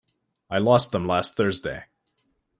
I lost them last Thursday.